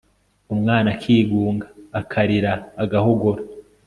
umwana akigunga akarira agahogora